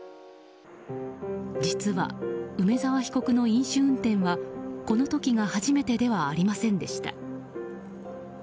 実は、梅沢被告の飲酒運転はこの時が初めてではありませんでした。